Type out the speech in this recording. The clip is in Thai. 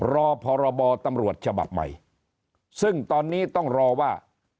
รอพรบตำรวจฉบับใหม่ซึ่งตอนนี้ต้องรอว่า